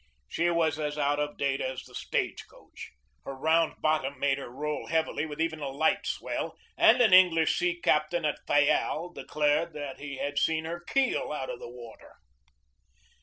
She was as out of date as the stage coach. Her round bottom made her roll heavily with even a light swell, and an English sea captain at Fayal declared that he had seen her keel out of water.